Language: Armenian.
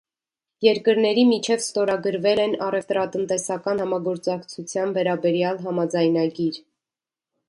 Երկրների միջև ստորագրվել են առևտրատնտեսական համագործակցության վերաբերյալ համաձայնագիր։